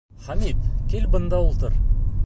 Хәмит, кил бында ултыр.